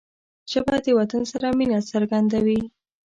ژبه د وطن سره مینه څرګندوي